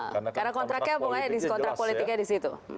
karena kontraknya pokoknya kontrak politiknya di situ